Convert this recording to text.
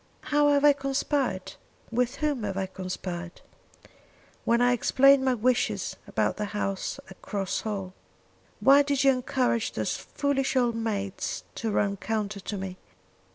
"How have I conspired? with whom have I conspired?" "When I explained my wishes about the house at Cross Hall, why did you encourage those foolish old maids to run counter to me.